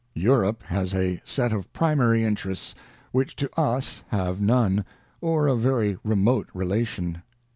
ŌĆö Europe has a set of primary interests, which to us have none, or a very remote re lation.